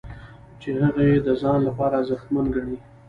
چې هغه یې د ځان لپاره ارزښتمن ګڼي.